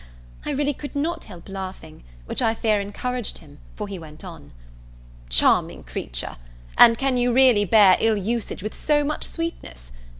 I really could not help laughing, which I fear encouraged him, for he went on. "Charming creature! and can you really bear ill usage with so much sweetness?